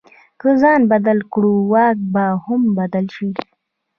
که ځان بدل کړو، واک به هم بدل شي.